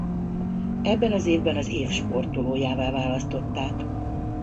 Ebben az évben az év sportolójává választották.